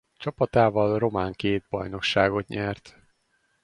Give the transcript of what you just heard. Csapatával román két bajnokságot nyert.